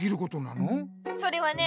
それはね